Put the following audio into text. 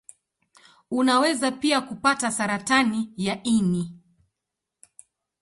Unaweza pia kupata saratani ya ini.